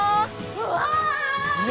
うわ！